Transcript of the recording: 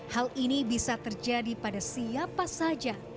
hal ini bisa terjadi pada siapa saja